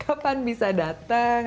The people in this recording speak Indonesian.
kapan bisa dateng